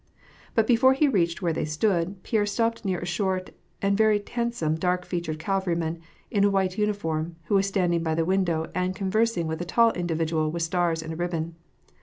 But before he reached where they stood, Pierre stopped near a short and very handsome dark featured cavalryman, in a white uniform, who was standing by the window, and convers ing with a tall individual with stars and a ribbon.